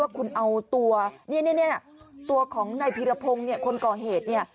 ว่าคุณเอาตัวนี่ตัวของในพีรพงศ์คนก่อเหตุ